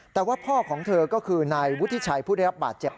แต่ว่าพ่อของเธอก็คือนายวุฒิชัยผู้ได้รับบาดเจ็บ